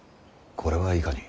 これはいかに？